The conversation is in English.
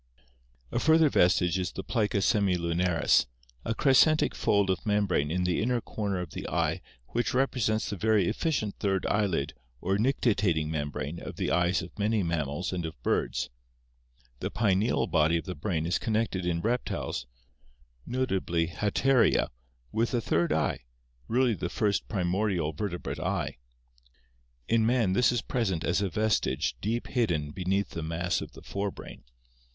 A further vestige is the plica semilunaris, a crescentic fold of membrane in the inner corner of the eye which represents the very efficient third eyelid or nictitating membrane of the eyes of many mammals and of birds. The pineal body of the brain is connected in reptiles, notably Halkria, with a third eye, really the first pri mordial vertebrate eye. In man this is present as a vestige deep hidden beneath the mass of the fore brain.